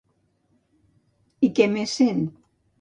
I què més sent?